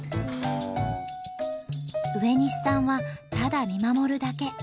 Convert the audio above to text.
植西さんはただ見守るだけ。